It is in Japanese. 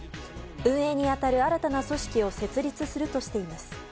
運営に当たる、新たな組織を設立するとしています。